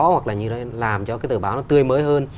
hoặc là như nó làm cho cái tờ báo nó tươi mới hơn